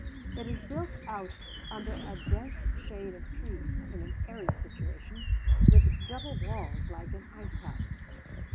It is built out under a dense shade of trees in an airy situation, with double walls like an ice house.